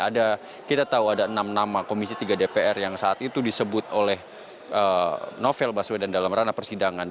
ada kita tahu ada enam nama komisi tiga dpr yang saat itu disebut oleh novel baswedan dalam ranah persidangan